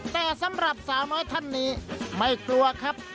แต่สำหรับสาวน้อยท่านนี้ไม่กลัวครับ